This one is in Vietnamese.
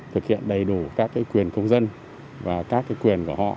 thực hiện đầy đủ các quyền công dân và các quyền của họ